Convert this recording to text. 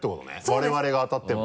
我々が当たっても。